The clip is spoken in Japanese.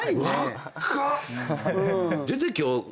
若っ！